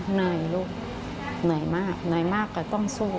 เหนื่อยลูกเหนื่อยมากเหนื่อยมากก็ต้องสู้